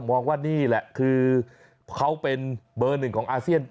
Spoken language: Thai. มองว่านี่แหละคือเขาเป็นเบอร์หนึ่งของอาเซียน